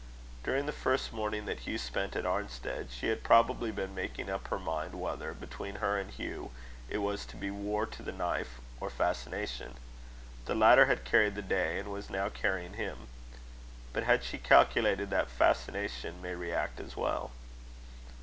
During the first morning that Hugh spent at Arnstead, she had probably been making up her mind whether, between her and Hugh, it was to be war to the knife, or fascination. The latter had carried the day, and was now carrying him. But had she calculated that fascination may re act as well?